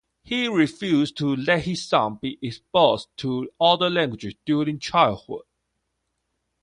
He refused to let his son be exposed to other languages during childhood.